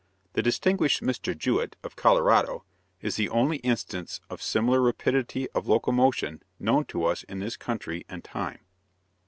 The distinguished Mr. Jewett, of Colorado, is the only instance of similar rapidity of locomotion known to us in this country and time.